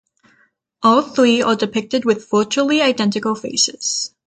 All three are depicted with virtually identical faces.